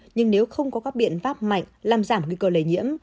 nhưng nếu không có các biện pháp mạnh làm giảm nguy cơ lây nhiễm